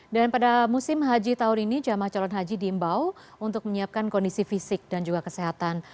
dan pada musim haji tahun ini jamaah calon haji diimbau untuk menyiapkan kondisi fisik dan juga kesehatan